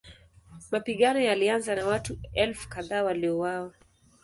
Mapigano yalianza na watu elfu kadhaa waliuawa.